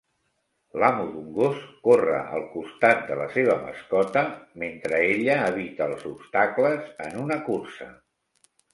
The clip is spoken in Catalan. L'amo d'un gos corre al costat de la seva mascota mentre ella evita els obstacles en una cursa.